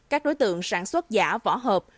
các đối tượng sản xuất giả vỏ hộp